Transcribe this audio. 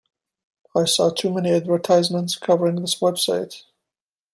I saw too many advertisements covering this website.